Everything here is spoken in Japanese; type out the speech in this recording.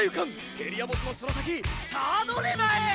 エリアボスのその先サードレマへ！